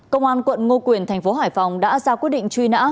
công an quận ngô quyền thành phố hải phòng đã ra quyết định truy nã